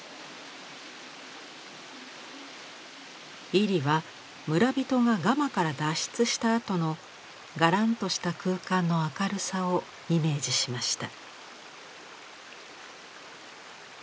位里は村人がガマから脱出したあとのがらんとした空間の明るさをイメージしました。